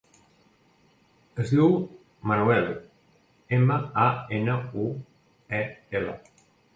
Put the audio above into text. Es diu Manuel: ema, a, ena, u, e, ela.